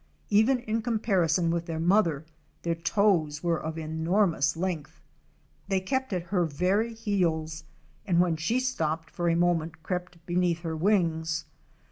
Even in comparison with their mother their toes were of enormous length. They kept at her very heels and when she stopped for a moment crept beneath her wings.